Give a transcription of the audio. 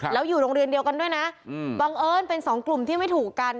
แล้วอยู่โรงเรียนเดียวกันด้วยนะบังเอิญเป็นสองกลุ่มที่ไม่ถูกกัน